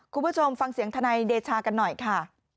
คุณผู้ชมฟังเสียงทนายเดชากันหน่อยค่ะ